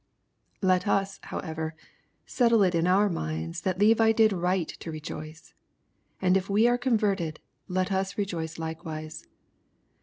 Let us, however, settle it in our minds that Levi did right to rejoice, and if we are converted, let us rejoice likewise.